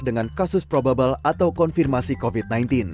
dengan kasus probable atau konfirmasi covid sembilan belas